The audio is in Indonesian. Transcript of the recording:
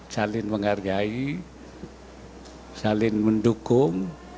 salin menghargai salin mendukung